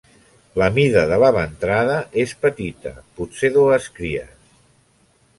La mida de la ventrada és petita, potser dues cries.